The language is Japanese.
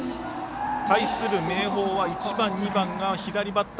対する明豊は１、２番が左バッター。